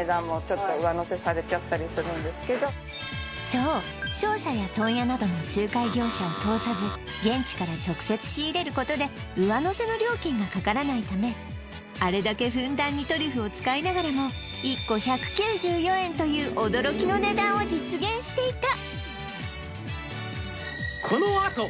そう商社や問屋などの仲介業者を通さず現地から直接仕入れることで上乗せの料金がかからないためあれだけふんだんにトリュフを使いながらも１個１９４円という驚きの値段を実現していた「このあと」